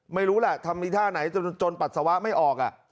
ไม่รู้แหละทำอีกท่าไหนจนปัสสาวะไม่ออก